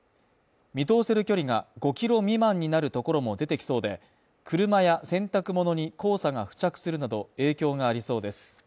見通せる距離が５キロ未満になるところも出てきそうで、車や洗濯物に黄砂が付着するなど影響がありそうです。